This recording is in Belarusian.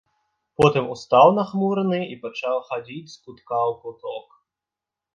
Потым устаў нахмураны і пачаў хадзіць з кутка ў куток.